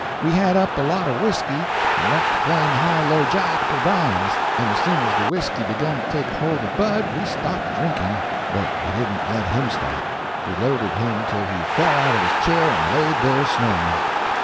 We had up a lot of whisky, and went to playing high low jack for dimes, and as soon as the whisky begun to take hold of Bud we stopped drinking, but we didn't let him stop. We loaded him till he fell out of his chair and laid there snoring.